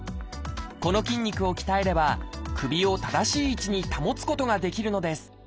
この筋肉を鍛えれば首を正しい位置に保つことができるのです